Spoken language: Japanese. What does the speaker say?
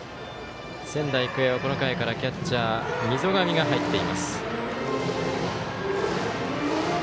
仙台育英はこの回からキャッチャー溝上が入っています。